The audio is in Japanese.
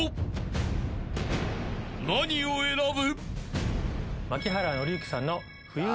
［何を選ぶ？］